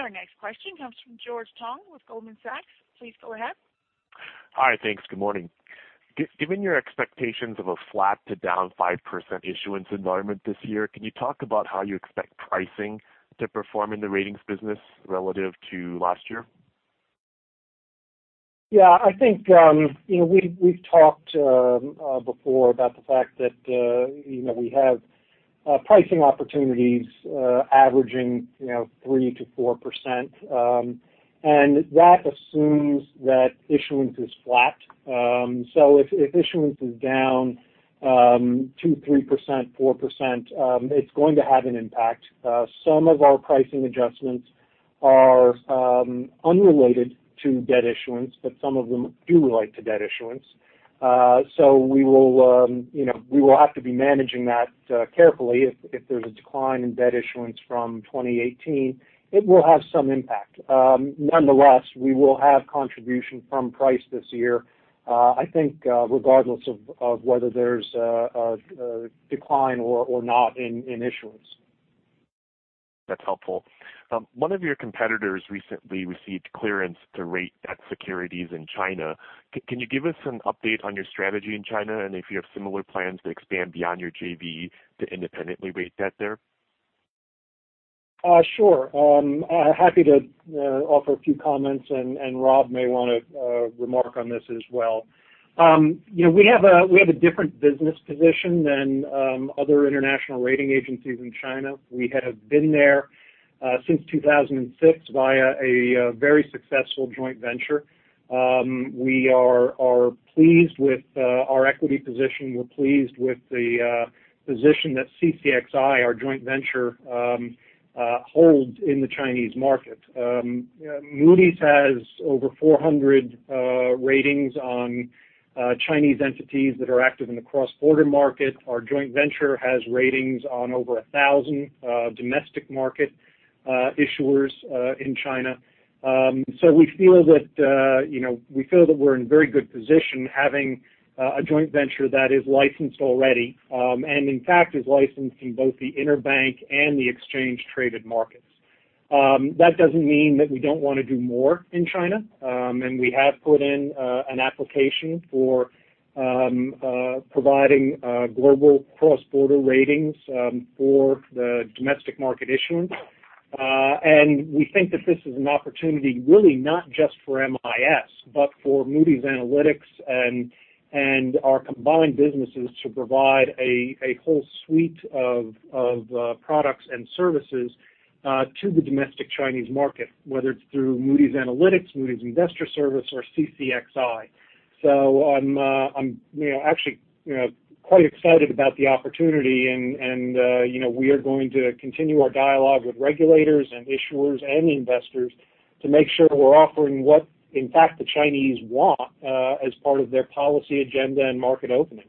Our next question comes from George Tong with Goldman Sachs. Please go ahead. Hi. Thanks. Good morning. Given your expectations of a flat to down 5% issuance environment this year, can you talk about how you expect pricing to perform in the ratings business relative to last year? Yeah, I think we've talked before about the fact that we have pricing opportunities averaging 3%-4%, that assumes that issuance is flat. If issuance is down 2%, 3%, 4%, it's going to have an impact. Some of our pricing adjustments are unrelated to debt issuance, some of them do relate to debt issuance. We will have to be managing that carefully if there's a decline in debt issuance from 2018, it will have some impact. Nonetheless, we will have contribution from price this year, I think, regardless of whether there's a decline or not in issuance. That's helpful. One of your competitors recently received clearance to rate debt securities in China. Can you give us an update on your strategy in China, and if you have similar plans to expand beyond your JV to independently rate debt there? Sure. Happy to offer a few comments. Rob may want to remark on this as well. We have a different business position than other international rating agencies in China. We have been there since 2006 via a very successful joint venture. We are pleased with our equity position. We're pleased with the position that CCXI, our joint venture, holds in the Chinese market. Moody's has over 400 ratings on Chinese entities that are active in the cross-border market. Our joint venture has ratings on over 1,000 domestic market issuers in China. We feel that we're in very good position having a joint venture that is licensed already. In fact, is licensed in both the inner bank and the exchange-traded markets. That doesn't mean that we don't want to do more in China. We have put in an application for providing global cross-border ratings for the domestic market issuance. We think that this is an opportunity really not just for MIS, but for Moody's Analytics and our combined businesses to provide a whole suite of products and services to the domestic Chinese market, whether it's through Moody's Analytics, Moody's Investors Service, or CCXI. I'm actually quite excited about the opportunity, and we are going to continue our dialogue with regulators and issuers and investors to make sure we're offering what in fact the Chinese want as part of their policy agenda and market opening.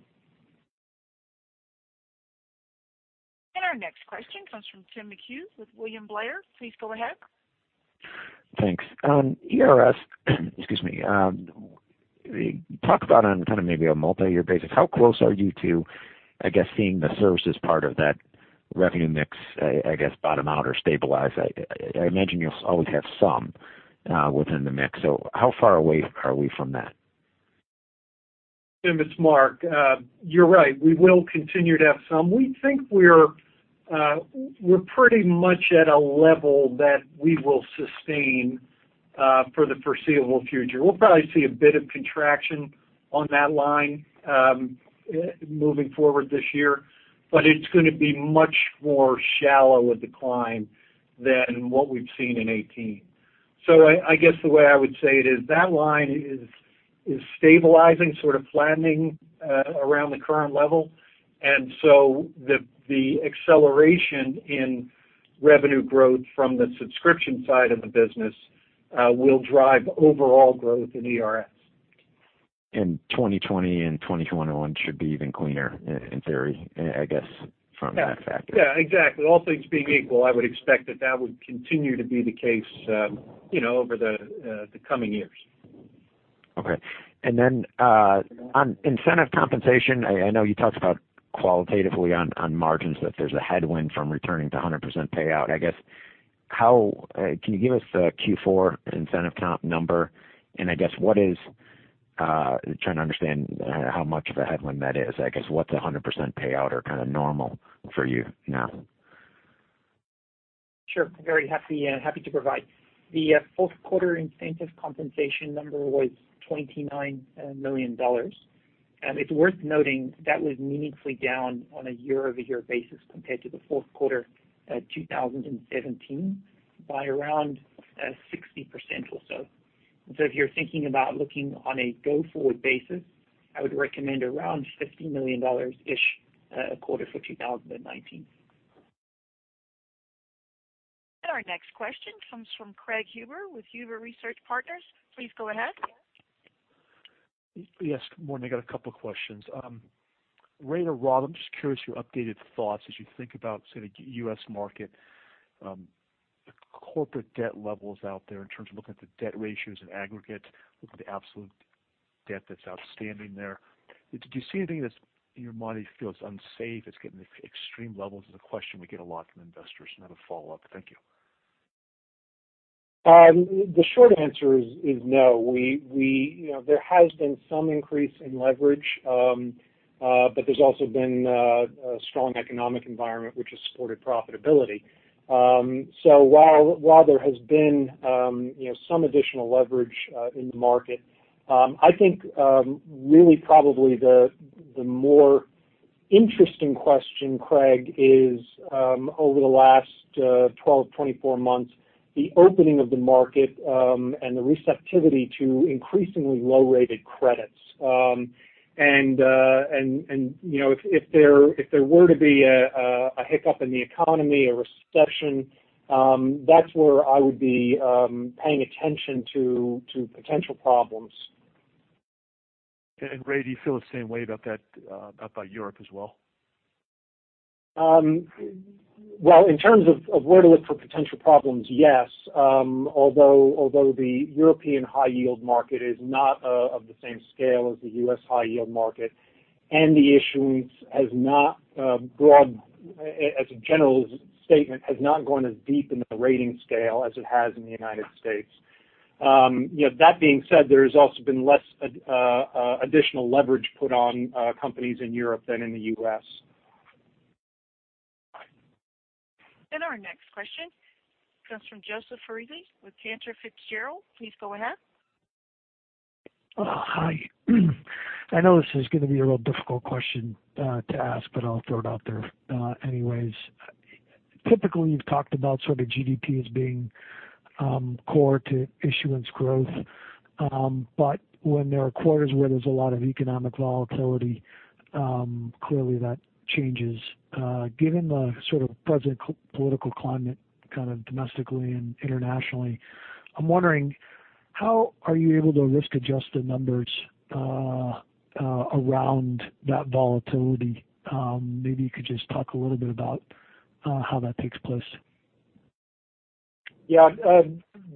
Our next question comes from Tim McHugh with William Blair. Please go ahead. Thanks. ERS, excuse me. Talk about on kind of maybe a multi-year basis, how close are you to, I guess, seeing the services part of that revenue mix, I guess, bottom out or stabilize? I imagine you'll always have some within the mix. How far away are we from that? Tim, it's Mark. You're right. We will continue to have some. We think we're pretty much at a level that we will sustain for the foreseeable future. We'll probably see a bit of contraction on that line moving forward this year, it's going to be much more shallow a decline than what we've seen in 2018. I guess the way I would say it is that line is stabilizing, sort of flattening around the current level. The acceleration in revenue growth from the subscription side of the business will drive overall growth in ERS. 2020 and 2021 on should be even cleaner in theory, I guess, from that factor. Yeah, exactly. All things being equal, I would expect that that would continue to be the case over the coming years. On incentive compensation, I know you talked about qualitatively on margins that there's a headwind from returning to 100% payout. I guess, can you give us the Q4 incentive comp number? I guess, trying to understand how much of a headwind that is. I guess what's 100% payout or kind of normal for you now? Sure. Very happy to provide. The fourth quarter incentive compensation number was $29 million. It's worth noting that was meaningfully down on a year-over-year basis compared to the fourth quarter 2017 by around 60% or so. If you're thinking about looking on a go-forward basis, I would recommend around $50 million-ish a quarter for 2019. Our next question comes from Craig Huber with Huber Research Partners. Please go ahead. Yes, good morning. I got a couple of questions. Ray or Rob, I'm just curious your updated thoughts as you think about, say, the U.S. market, corporate debt levels out there in terms of looking at the debt ratios and aggregates, looking at the absolute debt that's outstanding there. Do you see anything that in your mind feels unsafe, it's getting extreme levels? Is a question we get a lot from investors. I have a follow-up. Thank you. The short answer is no. There has been some increase in leverage, there's also been a strong economic environment which has supported profitability. While there has been some additional leverage in the market, I think really probably the more interesting question, Craig, is, over the last 12, 24 months, the opening of the market and the receptivity to increasingly low-rated credits. If there were to be a hiccup in the economy, a recession, that's where I would be paying attention to potential problems. Ray, do you feel the same way about that, about Europe as well? Well, in terms of where to look for potential problems, yes. Although the European high yield market is not of the same scale as the U.S. high yield market, the issuance has not, as a general statement, has not gone as deep into the rating scale as it has in the United States. That being said, there has also been less additional leverage put on companies in Europe than in the U.S. Our next question comes from Joseph Foresi with Cantor Fitzgerald. Please go ahead. Hi. I know this is going to be a real difficult question to ask. I'll throw it out there anyways. Typically, you've talked about sort of GDP as being core to issuance growth. When there are quarters where there's a lot of economic volatility, clearly that changes. Given the sort of present political climate kind of domestically and internationally, I'm wondering how are you able to risk-adjust the numbers around that volatility? Maybe you could just talk a little bit about how that takes place. Yeah.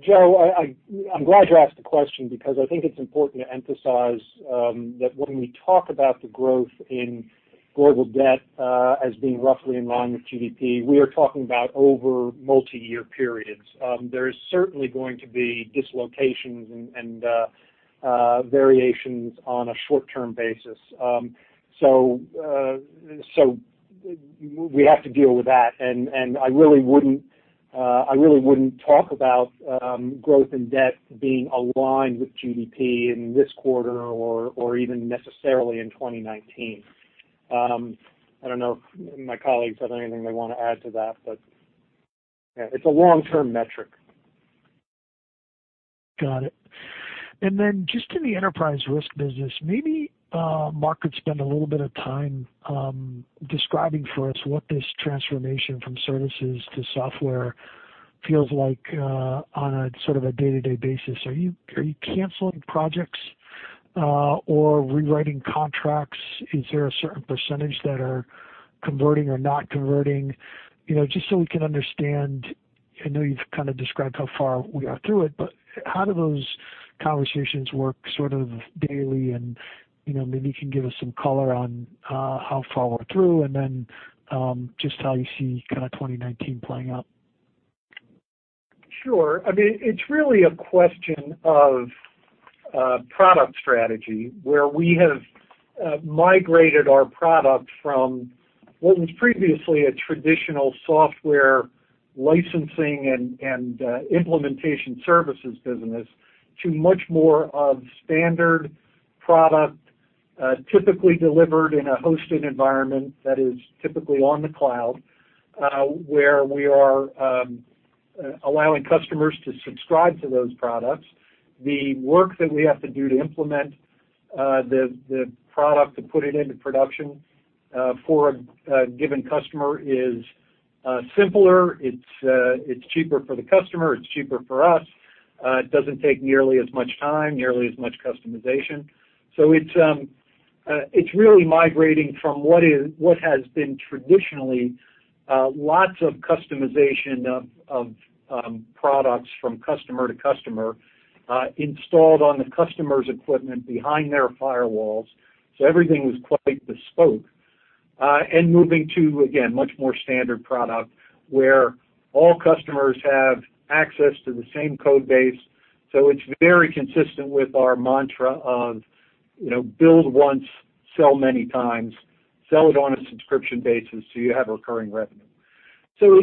Joe, I'm glad you asked the question because I think it's important to emphasize that when we talk about the growth in global debt as being roughly in line with GDP, we are talking about over multi-year periods. There is certainly going to be dislocations and variations on a short-term basis. We have to deal with that, and I really wouldn't talk about growth in debt being aligned with GDP in this quarter or even necessarily in 2019. I don't know if my colleagues have anything they want to add to that. It's a long-term metric. Got it. Just in the enterprise risk business, maybe Mark could spend a little bit of time describing for us what this transformation from services to software feels like on a day-to-day basis. Are you canceling projects or rewriting contracts? Is there a certain % that are converting or not converting? Just so we can understand. I know you've kind of described how far we are through it. How do those conversations work sort of daily, and maybe you can give us some color on how far we're through, and then just how you see 2019 playing out. Sure. It's really a question of product strategy where we have migrated our product from what was previously a traditional software licensing and implementation services business to much more of standard product, typically delivered in a hosted environment that is typically on the cloud, where we are allowing customers to subscribe to those products. The work that we have to do to implement the product, to put it into production for a given customer is simpler. It's cheaper for the customer. It's cheaper for us. It doesn't take nearly as much time, nearly as much customization. It's really migrating from what has been traditionally lots of customization of products from customer to customer, installed on the customer's equipment behind their firewalls. Everything was quite bespoke. Moving to, again, much more standard product where all customers have access to the same code base. It's very consistent with our mantra of build once, sell many times, sell it on a subscription basis so you have recurring revenue. There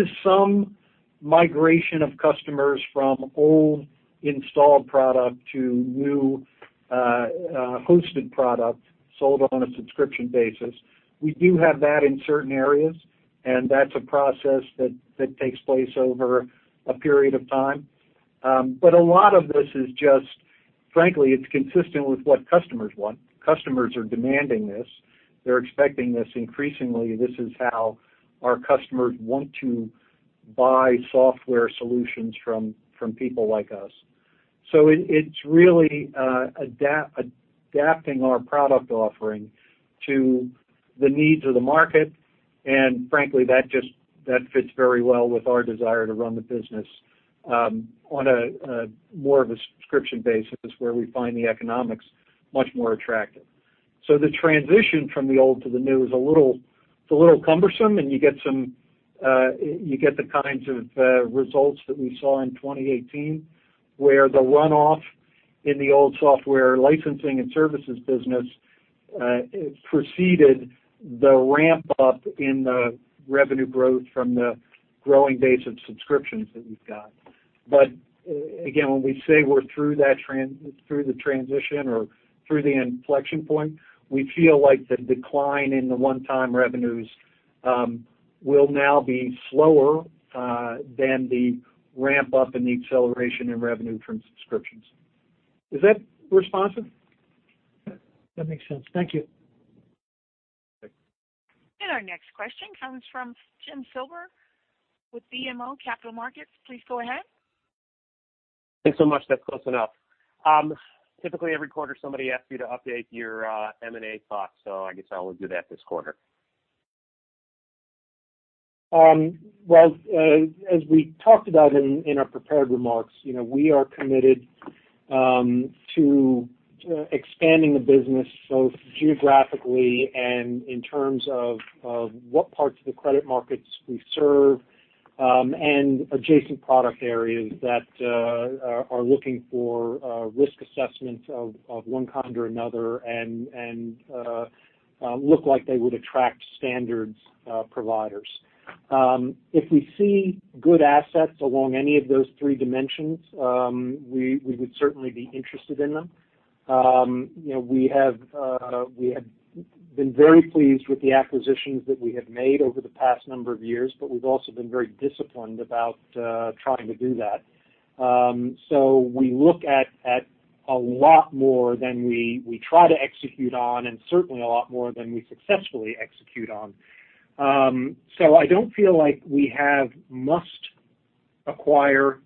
is some migration of customers from old installed product to new hosted product sold on a subscription basis. We do have that in certain areas, and that's a process that takes place over a period of time. A lot of this is just, frankly, it's consistent with what customers want. Customers are demanding this. They're expecting this increasingly. This is how our customers want to buy software solutions from people like us. It's really adapting our product offering to the needs of the market. Frankly, that fits very well with our desire to run the business on more of a subscription basis where we find the economics much more attractive. The transition from the old to the new is a little cumbersome, and you get the kinds of results that we saw in 2018, where the runoff in the old software licensing and services business. It preceded the ramp-up in the revenue growth from the growing base of subscriptions that we've got. Again, when we say we're through the transition or through the inflection point, we feel like the decline in the one-time revenues will now be slower than the ramp-up in the acceleration in revenue from subscriptions. Is that responsive? That makes sense. Thank you. Okay. Our next question comes from Jeff Silber with BMO Capital Markets. Please go ahead. Thanks so much. That's close enough. Typically, every quarter somebody asks you to update your M&A thoughts, I guess I'll do that this quarter. Well, as we talked about in our prepared remarks, we are committed to expanding the business both geographically and in terms of what parts of the credit markets we serve, and adjacent product areas that are looking for risk assessments of one kind or another and look like they would attract standards providers. If we see good assets along any of those three dimensions, we would certainly be interested in them. We have been very pleased with the acquisitions that we have made over the past number of years, we've also been very disciplined about trying to do that. We look at a lot more than we try to execute on, and certainly a lot more than we successfully execute on. I don't feel like we have must-acquire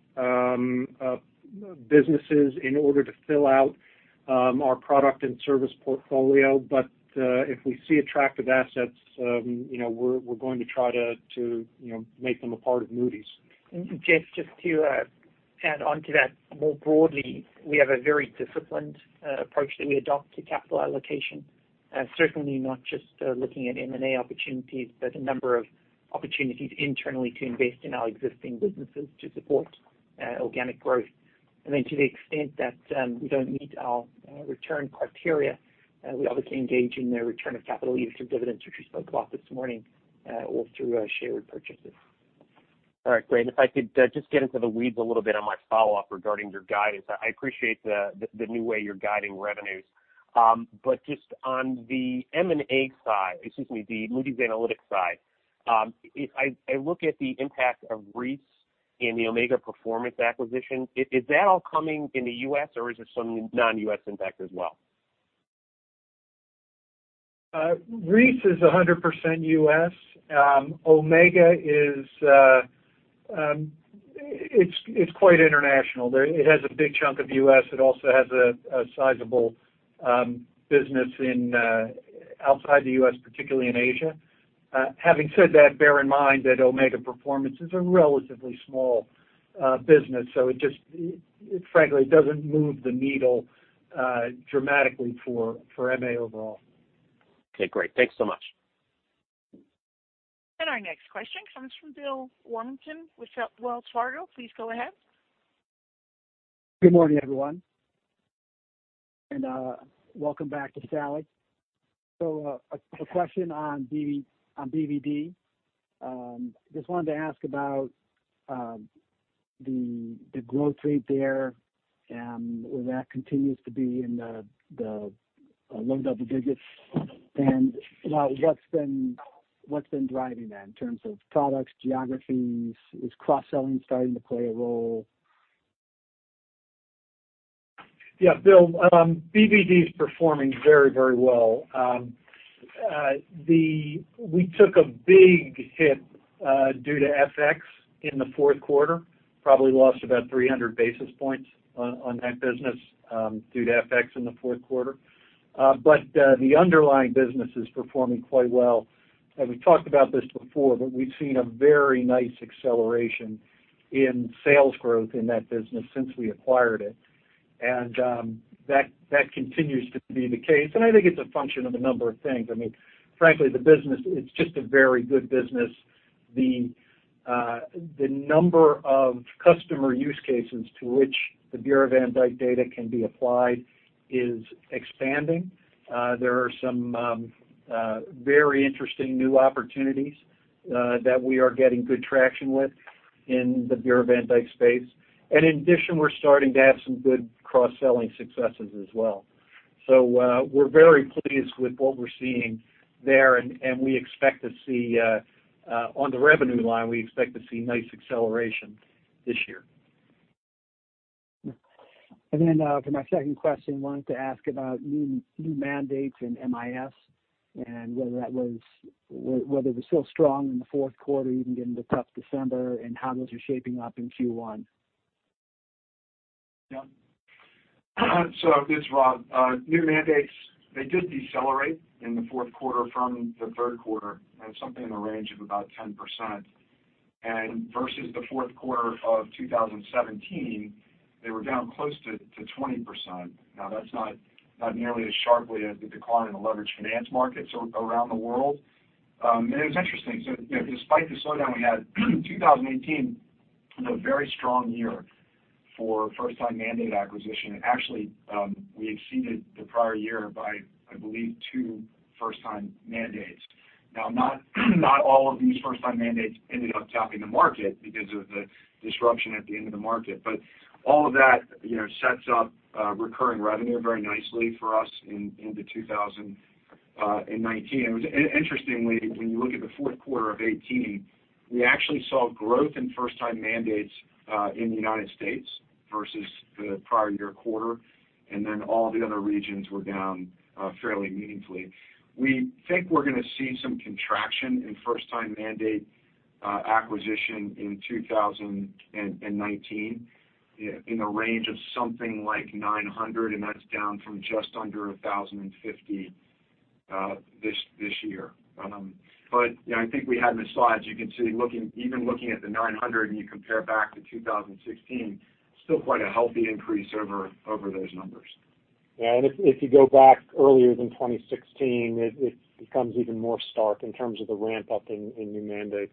businesses in order to fill out our product and service portfolio. If we see attractive assets, we're going to try to make them a part of Moody's. Jeff, just to add onto that more broadly, we have a very disciplined approach that we adopt to capital allocation. Certainly not just looking at M&A opportunities, but a number of opportunities internally to invest in our existing businesses to support organic growth. To the extent that we don't meet our return criteria, we obviously engage in the return of capital either through dividends, which we spoke about this morning, or through share repurchases. All right, great. If I could just get into the weeds a little bit on my follow-up regarding your guidance. I appreciate the new way you're guiding revenues. Just on the M&A side, excuse me, the Moody's Analytics side. If I look at the impact of Reis in the Omega Performance acquisition, is that all coming in the U.S. or is there some non-U.S. impact as well? Reis is 100% U.S. Omega is quite international. It has a big chunk of U.S. It also has a sizable business outside the U.S., particularly in Asia. Having said that, bear in mind that Omega Performance is a relatively small business, so it frankly doesn't move the needle dramatically for MA overall. Okay, great. Thanks so much. Our next question comes from Bill Warmington with Wells Fargo. Please go ahead. Good morning, everyone. Welcome back to Salli. A question on BvD. Just wanted to ask about the growth rate there, whether that continues to be in the low double digits. About what's been driving that in terms of products, geographies? Is cross-selling starting to play a role? Yeah, Bill, BvD is performing very well. We took a big hit due to FX in the fourth quarter, probably lost about 300 basis points on that business due to FX in the fourth quarter. The underlying business is performing quite well. We've talked about this before, but we've seen a very nice acceleration in sales growth in that business since we acquired it. That continues to be the case. I think it's a function of a number of things. Frankly, the business, it's just a very good business. The number of customer use cases to which the Bureau van Dijk data can be applied is expanding. There are some very interesting new opportunities that we are getting good traction with in the Bureau van Dijk space. In addition, we're starting to have some good cross-selling successes as well. We're very pleased with what we're seeing there, and we expect to see on the revenue line, we expect to see nice acceleration this year. For my second question, wanted to ask about new mandates in MIS and whether they're still strong in the fourth quarter, even given the tough December, and how those are shaping up in Q1. This is Rob. New mandates, they did decelerate in the fourth quarter from the third quarter at something in the range of about 10%. Versus the fourth quarter of 2017, they were down close to 20%. Now that's not nearly as sharply as the decline in the leveraged finance markets around the world. It's interesting. Despite the slowdown we had, 2018 was a very strong year. For first time mandate acquisition, actually, we exceeded the prior year by, I believe, two first time mandates. Now, not all of these first time mandates ended up tapping the market because of the disruption at the end of the market. All of that sets up recurring revenue very nicely for us into 2019. Interestingly, when you look at the fourth quarter of 2018, we actually saw growth in first time mandates in the U.S. versus the prior year quarter. All the other regions were down fairly meaningfully. We think we're going to see some contraction in first time mandate acquisition in 2019 in the range of something like 900. That's down from just under 1,050 this year. I think we had in the slides, you can see even looking at the 900 and you compare back to 2016, still quite a healthy increase over those numbers. Yeah, if you go back earlier than 2016, it becomes even more stark in terms of the ramp-up in new mandates.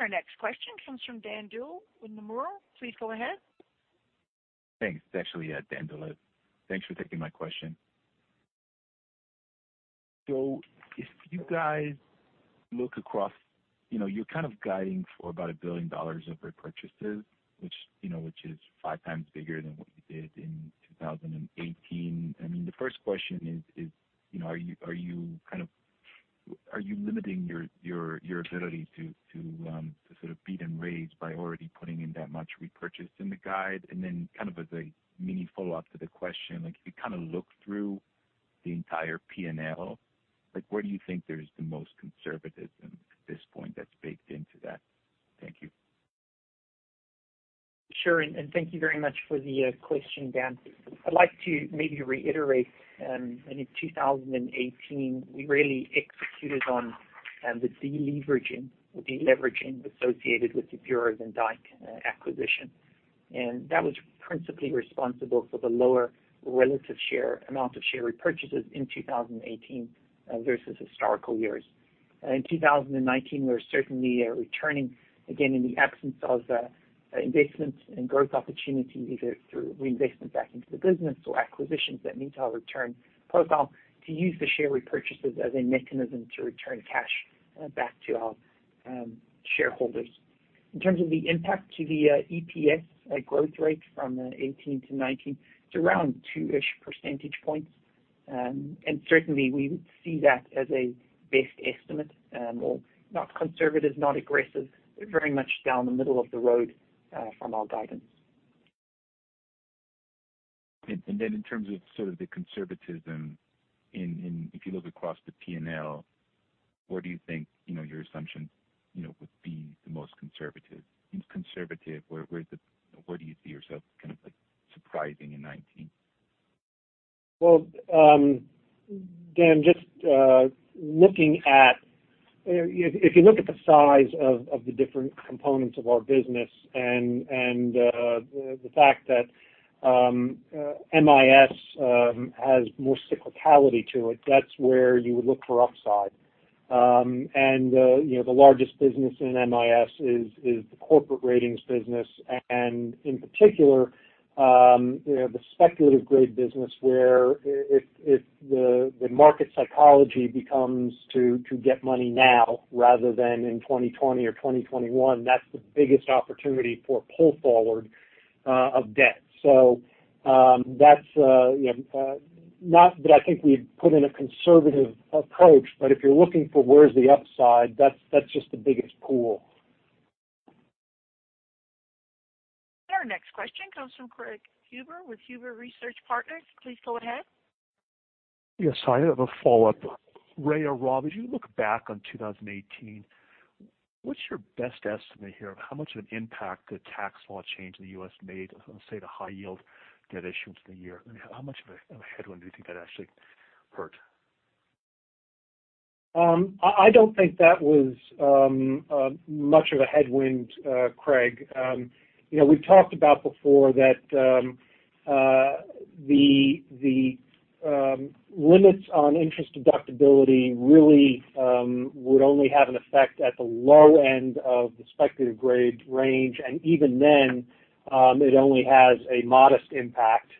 Our next question comes from Dan Dolev with Nomura. Please go ahead. Thanks. It's actually Dan Dolev. Thanks for taking my question. If you guys look across, you're kind of guiding for about $1 billion of repurchases, which is five times bigger than what you did in 2018. The first question is, are you limiting your ability to sort of beat and raise by already putting in that much repurchase in the guide? Then kind of as a mini follow-up to the question, if you kind of look through the entire P&L, where do you think there's the most conservatism at this point that's baked into that? Thank you. Sure, thank you very much for the question, Dan. I'd like to maybe reiterate, in 2018, we really executed on the deleveraging associated with the Bureau van Dijk acquisition. That was principally responsible for the lower relative amount of share repurchases in 2018 versus historical years. In 2019, we're certainly returning again in the absence of investments and growth opportunities, either through reinvestment back into the business or acquisitions that meet our return profile to use the share repurchases as a mechanism to return cash back to our shareholders. In terms of the impact to the EPS growth rate from 2018 to 2019, it's around two-ish percentage points. Certainly, we see that as a best estimate, or not conservative, not aggressive, but very much down the middle of the road from our guidance. Then in terms of sort of the conservatism, if you look across the P&L, where do you think your assumption would be the most conservative? Where do you see yourself kind of surprising in 2019? Well, Dan, if you look at the size of the different components of our business and the fact that MIS has more cyclicality to it, that's where you would look for upside. The largest business in MIS is the corporate ratings business, and in particular, the speculative grade business where if the market psychology becomes to get money now rather than in 2020 or 2021, that's the biggest opportunity for pull forward of debt. Not that I think we've put in a conservative approach, but if you're looking for where's the upside, that's just the biggest pool. Our next question comes from Craig Huber with Huber Research Partners. Please go ahead. Yes, I have a follow-up. Ray or Rob, as you look back on 2018, what's your best estimate here of how much of an impact the tax law change the U.S. made on, say, the high yield debt issuance of the year? How much of a headwind do you think that actually hurt? I don't think that was much of a headwind, Craig. We've talked about before that the limits on interest deductibility really would only have an effect at the low end of the speculative grade range, and even then, it only has a modest impact.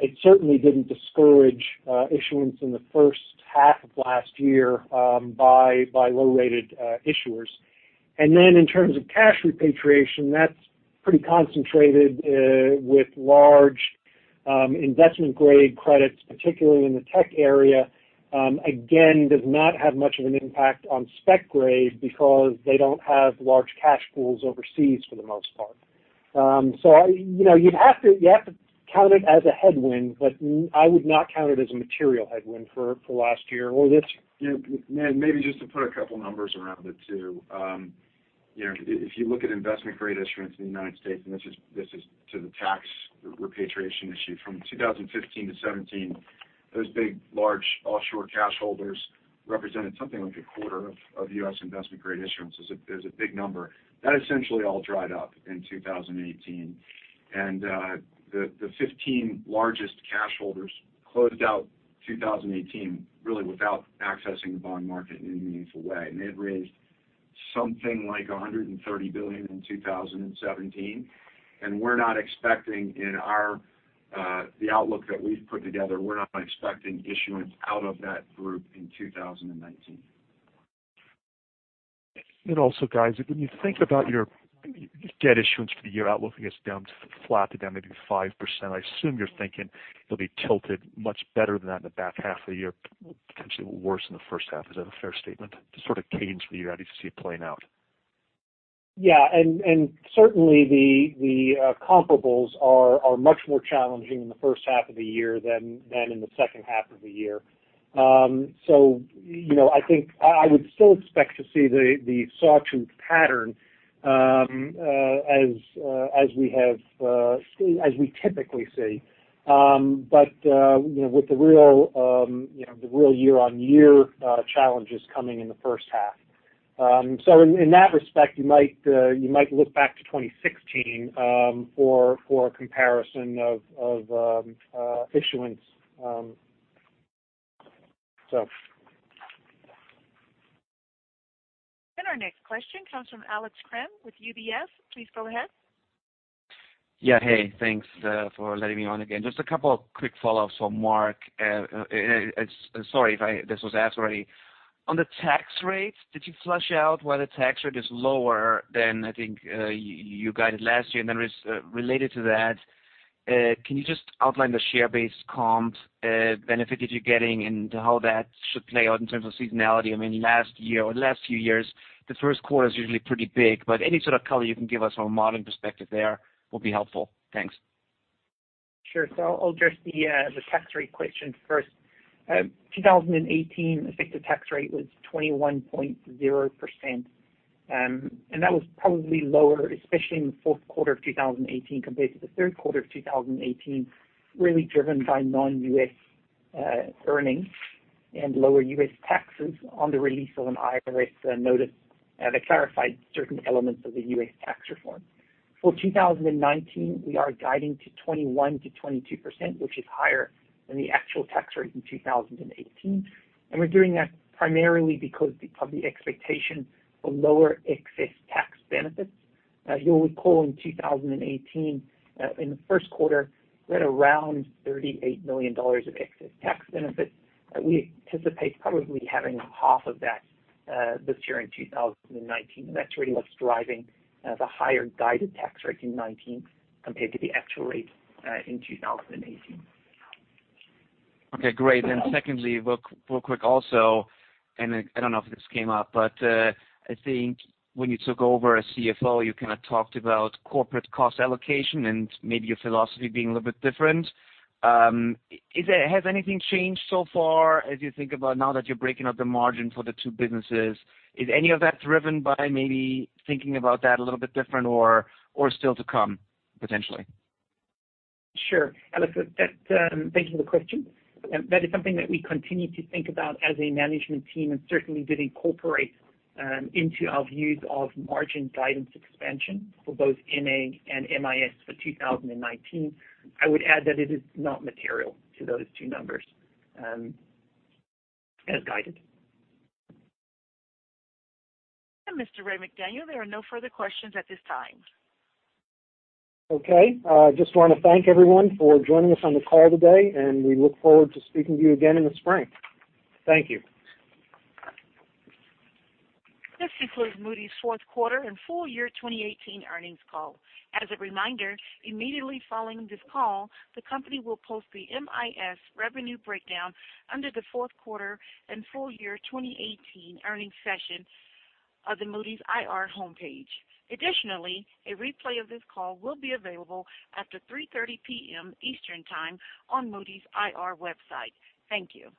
It certainly didn't discourage issuance in the first half of last year by low-rated issuers. Then in terms of cash repatriation, that's pretty concentrated with large investment grade credits, particularly in the tech area. Again, does not have much of an impact on spec grade because they don't have large cash pools overseas for the most part. You have to count it as a headwind, but I would not count it as a material headwind for last year or this year. Yeah. Maybe just to put a couple numbers around it, too. If you look at investment grade issuance in the U.S., this is to the tax repatriation issue. From 2015 to 2017, those big, large offshore cash holders represented something like a quarter of U.S. investment grade issuance. There's a big number. That essentially all dried up in 2018. The 15 largest cash holders closed out 2018, really without accessing the bond market in a meaningful way. They've raised something like $130 billion in 2017, we're not expecting in the outlook that we've put together, we're not expecting issuance out of that group in 2019. Also, guys, when you think about your debt issuance for the year outlook, I guess down to flat to down maybe 5%, I assume you're thinking it'll be tilted much better than that in the back half of the year, potentially worse in the first half. Is that a fair statement? The sort of cadence for you to see it playing out. Yeah. Certainly the comparables are much more challenging in the first half of the year than in the second half of the year. I would still expect to see the sawtooth pattern as we typically see. With the real year-over-year challenges coming in the first half. In that respect, you might look back to 2016 for a comparison of issuance. Our next question comes from Alex Kramm with UBS. Please go ahead. Hey, thanks for letting me on again. Just a couple of quick follow-ups from Mark, sorry if this was asked already. On the tax rates, did you flush out why the tax rate is lower than I think you guided last year? Related to that, can you just outline the share-based comp benefit that you're getting and how that should play out in terms of seasonality? Last year or the last few years, the first quarter is usually pretty big, any sort of color you can give us from a modeling perspective there will be helpful. Thanks. Sure. I'll address the tax rate question first. 2018, I think the tax rate was 21.0%, and that was probably lower, especially in the fourth quarter of 2018 compared to the third quarter of 2018, really driven by non-U.S. earnings and lower U.S. taxes on the release of an IRS notice that clarified certain elements of the U.S. tax reform. For 2019, we are guiding to 21%-22%, which is higher than the actual tax rate in 2018, we're doing that primarily because of the expectation of lower excess tax benefits. You'll recall in 2018, in the first quarter, we had around $38 million of excess tax benefits. We anticipate probably having half of that this year in 2019, that's really what's driving the higher guided tax rate in 2019 compared to the actual rate in 2018. Okay, great. Secondly, real quick also, I don't know if this came up, I think when you took over as CFO, you kind of talked about corporate cost allocation and maybe your philosophy being a little bit different. Has anything changed so far as you think about now that you're breaking up the margin for the two businesses, is any of that driven by maybe thinking about that a little bit different or still to come potentially? Sure. Alex, thank you for the question. That is something that we continue to think about as a management team, certainly did incorporate into our views of margin guidance expansion for both MA and MIS for 2019. I would add that it is not material to those two numbers as guided. Mr. Raymond McDaniel, there are no further questions at this time. Okay. Just want to thank everyone for joining us on the call today, and we look forward to speaking to you again in the spring. Thank you. This concludes Moody's fourth quarter and full year 2018 earnings call. As a reminder, immediately following this call, the company will post the MIS revenue breakdown under the fourth quarter and full year 2018 earnings section of the Moody's IR homepage. Additionally, a replay of this call will be available after 3:30 P.M. Eastern Time on Moody's IR website. Thank you.